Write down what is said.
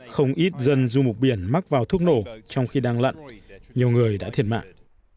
không ít dân du mục biển mắc vào thuốc nổ trong khi đang lặn nhiều người đã thiệt mạng